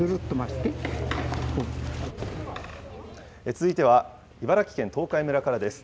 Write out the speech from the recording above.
続いては、茨城県東海村からです。